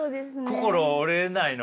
心折れないの？